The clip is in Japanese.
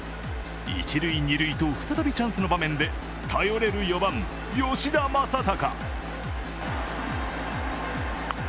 一・二塁と再びチャンスの場面で頼れる４番・吉田正尚。